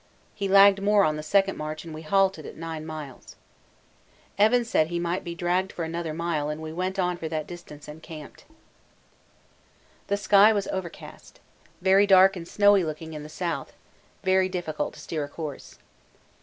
He lagged more on the second march and we halted at 9 miles. Evans said he might be dragged for another mile and we went on for that distance and camped. The sky was overcast: very dark and snowy looking in the south very difficult to steer a course.